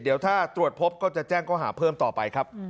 เดี๋ยวถ้าตรวจพบก็จะแจ้งข้อหาเพิ่มต่อไปครับ